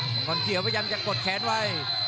มังกรเขียวพยายามจะกดแขนไว้